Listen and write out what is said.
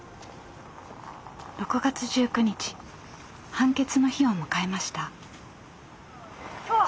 判決の日を迎えました。